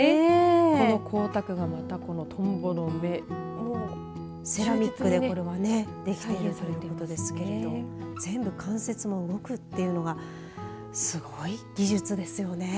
この光沢が、またとんぼの目セラミックで、これはね出来ているということですけれども全部関節も動くっていうのがすごい技術ですよね。